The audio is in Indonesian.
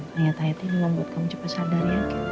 niat niat ini membuat kamu cepat sadar